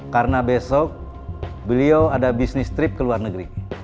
karena besok beliau ada bisnis trip ke luar negeri